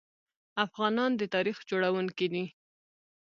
افغانان د تاریخ جوړونکي دي.